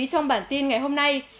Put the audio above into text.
trong bản tin ngày hôm nay